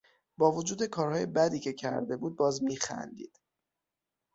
با وجود کارهای بدی که کرده بود باز میخندید.